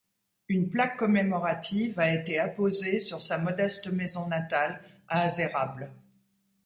Une plaque commémorative a été apposée sur sa modeste maison natale à Azérables.